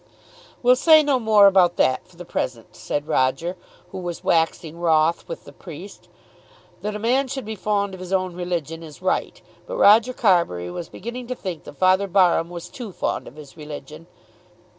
"We'll say no more about that for the present," said Roger, who was waxing wroth with the priest. That a man should be fond of his own religion is right; but Roger Carbury was beginning to think that Father Barham was too fond of his religion.